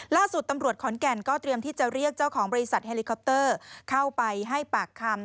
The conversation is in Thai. ล่าสุดตำรวจขอนแก่นก็เตรียมที่จะเรียกเจ้าของบริษัทเฮลิคอปเตอร์เข้าไปให้ปากคำ